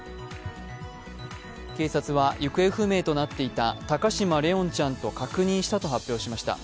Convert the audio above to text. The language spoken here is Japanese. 警察は行方不明となっていた高嶋怜音ちゃんと確認したと発表しました。